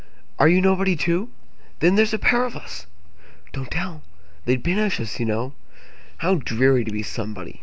Are you nobody, too? Then there 's a pair of us—don't tell! They 'd banish us, you know. How dreary to be somebody!